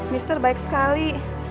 mister baik sekali